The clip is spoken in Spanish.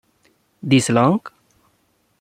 This long?